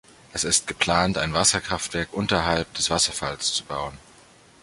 Es ist geplant, ein Wasserkraftwerk unterhalb des Wasserfalls zu bauen.